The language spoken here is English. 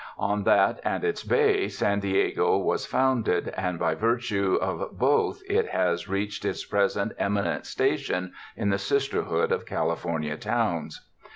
On that and its bay, San Diego was founded, and by virtue of both it has reached its present eminent station in the sisterhood of Cal ifornia towns.